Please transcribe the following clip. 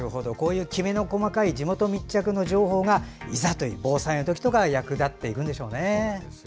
きめの細かい地元密着の情報がいざという防災の時とか役立っていくんでしょうね。